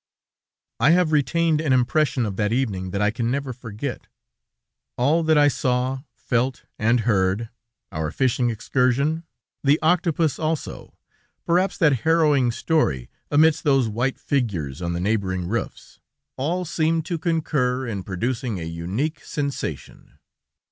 ... I have retained an impression of that evening that I can never forget. All that I saw, felt, and heard, our fishing excursion, the octopus also, perhaps that harrowing story, amidst those white figures on the neighboring roofs, all seemed to concur in producing a unique sensation.